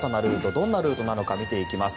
どんなルートなのか見ていきます。